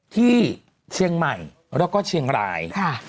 ที่เชียงใหม่แล้วก็เชียงราย